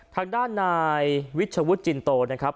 ทางด้านนายวิชวุฒิจินโตนะครับ